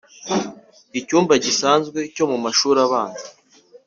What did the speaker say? icyumba gisanzwe cyo mu mashuri abanza